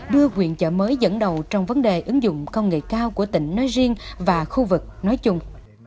đưa quyền chợ mới dẫn đầu trong vấn đề ứng dụng công nghệ cao của tỉnh nói riêng và khu vực nói chung